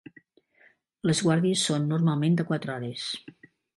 Les guàrdies són normalment de quatre hores.